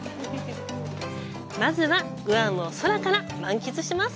まずは、グアムを空から満喫します。